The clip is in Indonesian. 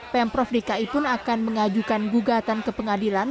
pemprov dki pun akan mengajukan gugatan ke pengadilan